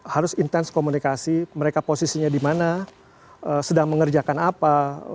harus intens komunikasi mereka posisinya di mana sedang mengerjakan apa